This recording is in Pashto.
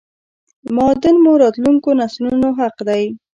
معادن مو راتلونکو نسلونو حق دی!!